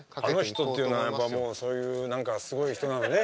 あの人っていうのはやっぱもうそういう何かすごい人なのね。